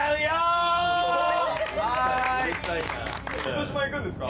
糸島行くんですか？